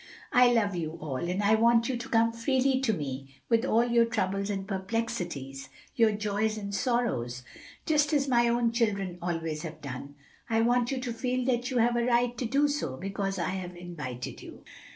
I love you all, and I want you to come freely to me with all your troubles and perplexities, your joys and sorrows, just as my own children have always done. I want you to feel that you have a right to do so, because I have invited you."